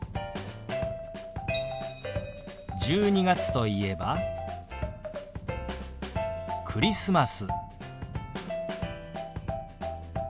１２月といえば「クリスマス」。